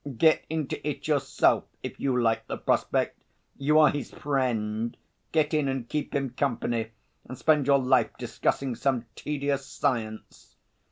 Get into it yourself, if you like the prospect. You are his friend, get in and keep him company, and spend your life discussing some tedious science...."